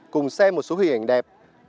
cùng xem một số hình ảnh đẹp